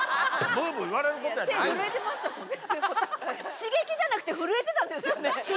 刺激じゃなくて震えてたんですよね？